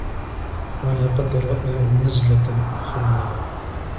ولقد رآه نزلة أخرى